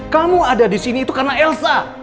kamu ada di sini itu karena elsa